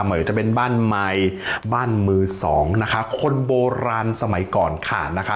ว่าจะเป็นบ้านใหม่บ้านมือสองนะคะคนโบราณสมัยก่อนขาดนะคะ